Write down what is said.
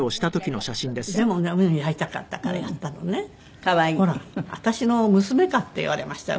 ほら「私の娘か？」って言われましたよ